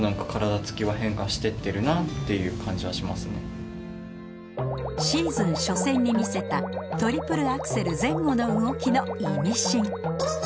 あとなんかシーズン初戦に見せたトリプルアクセル前後の動きのイミシン